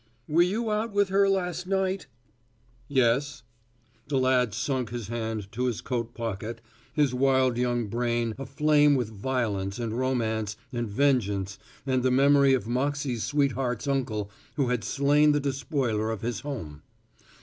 "Were you out with her last night?" "Yes." The lad sunk his hand to his coat pocket, his wild young brain aflame with violence and romance and vengeance and the memory of Moxey's sweetheart's uncle who had slain the despoiler of his home.